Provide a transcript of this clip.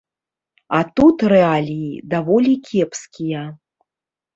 А тут рэаліі даволі кепскія.